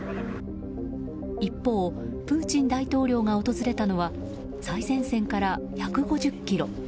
一方、プーチン大統領が訪れたのは最前線から、１５０ｋｍ。